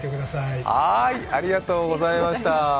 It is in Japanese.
ありがとうございます。